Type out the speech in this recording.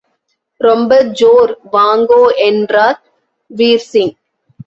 ரொம்ப ஜோர், வாங்கோ என்றார் வீர்சிங்.